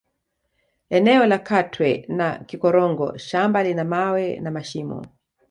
Eneo la Katwe na Kikorongo shamba lina mawe na mashimo